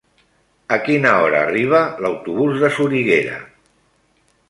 A quina hora arriba l'autobús de Soriguera?